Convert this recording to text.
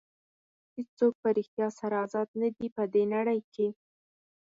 هېڅوک په ریښتیا سره ازاد نه دي په دې نړۍ کې.